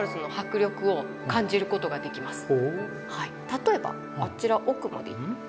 例えばあちら奥まで。